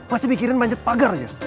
pasti mikirin manjat pagar aja